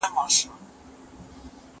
کار چي په سلا سي، بې بلا سي.